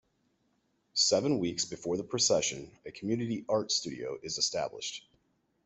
Seven weeks before the Procession, a community art studio is established.